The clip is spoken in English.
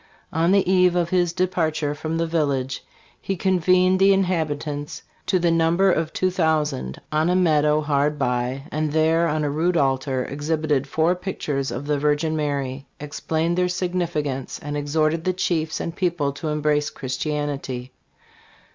On the eve of his departure from the village he convened the inhabitants to the number THE DEATH OF MARQUETTE. I'J of two thousand, on a meadow hard by, and there, on a rude altar, exhibited four pictures of the Virgin Mary, explained their significance, and exhorted the chiefs and people to embrace Christianity.